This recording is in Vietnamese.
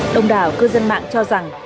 đồng đảo cư dân mạng cho rằng